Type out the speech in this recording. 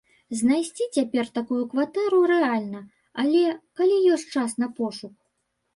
Знайсці цяпер такую кватэру рэальна, але, калі ёсць час на пошук.